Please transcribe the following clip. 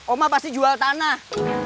oma pasti jual tanah